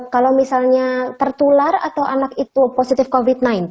kalau misalnya tertular atau anak itu positif covid sembilan belas